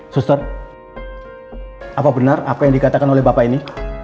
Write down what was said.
suster apa benar apa yang dikatakan oleh bapak ini